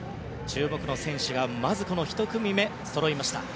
注目の選手が１組目にそろいました。